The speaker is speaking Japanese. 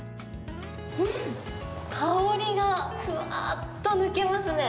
うん、香りがふわっと抜けますね。